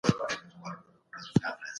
تاسي باید د مور او پلار له خدمته مننه وکړئ.